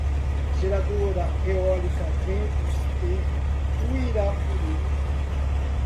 Geradora Eólica Ventos de Uirapuru